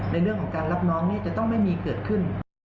ในเรื่องของการรับน้องนี่จะต้องไม่มีเกิดขึ้น